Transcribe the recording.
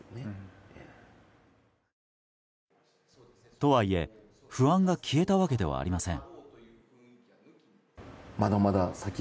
とはいえ、不安が消えたわけではありません。